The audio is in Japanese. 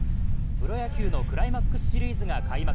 プロ野球のクライマックスシリーズが開幕。